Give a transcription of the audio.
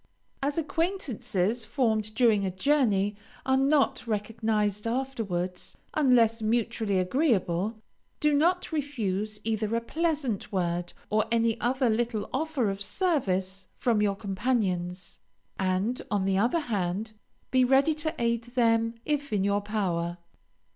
As acquaintances, formed during a journey, are not recognized afterwards, unless mutually agreeable, do not refuse either a pleasant word or any little offer of service from your companions; and, on the other hand, be ready to aid them, if in your power.